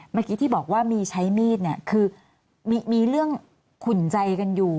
เมื่อกี้ที่บอกว่ามีใช้มีดเนี่ยคือมีเรื่องขุนใจกันอยู่